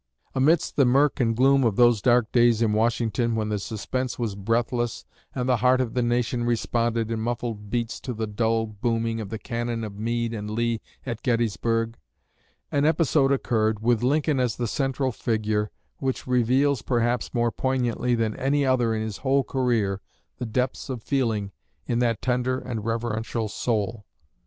Amidst the murk and gloom of those dark days in Washington, when the suspense was breathless and the heart of the nation responded in muffled beats to the dull booming of the cannon of Meade and Lee at Gettysburg, an episode occurred, with Lincoln as the central figure, which reveals perhaps more poignantly than any other in his whole career the depths of feeling in that tender and reverential soul.